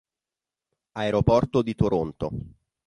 Aeroporto di Toronto